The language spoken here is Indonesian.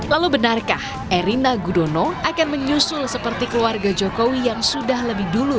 lalu benarkah erina gudono akan menyusul seperti keluarga jokowi yang sudah lebih dulu